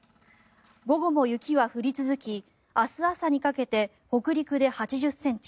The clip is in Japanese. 午後も雪は降り続き明日朝にかけて北陸で８０ｃｍ